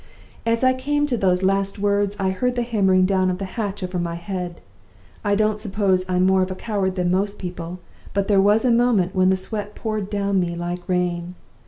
"As I came to those last words, I heard the hammering down of the hatch over my head. I don't suppose I'm more of a coward than most people, but there was a moment when the sweat poured down me like rain.